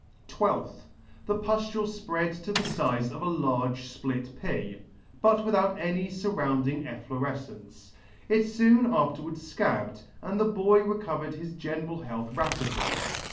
12th. The puftule Spread to the Size of a large Split pea, but without any Surrounding efflorefcence. It Soon afterwards Scabbed, and the boy recovered his general health rapidly.